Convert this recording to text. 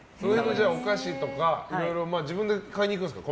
じゃあ、お菓子とかいろいろ自分で買いに行くんですか？